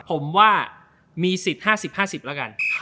ผมว่ามีสิทธิ์๕๐๕๐แล้วกัน